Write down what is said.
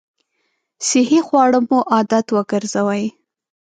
صحي خواړه مو عادت وګرځوئ!